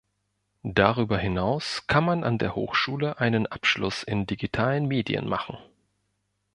Darüber hinaus kann man an der Hochschule einen Abschluss in digitalen Medien machen.